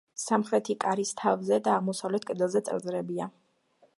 სამხრეთი კარის თავზე და აღმოსავლეთ კედელზე წარწერებია.